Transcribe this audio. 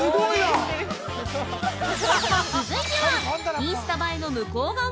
続いてはインスタ映えの向こう側！？